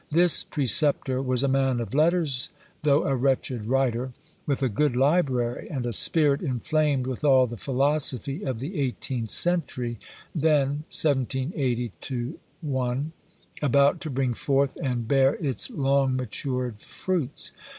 This preceptor was a man of letters, though a wretched writer, with a good library, and a spirit inflamed with all the philosophy of the eighteenth century, then (1780 1) about to bring forth and bear its long matured fruits.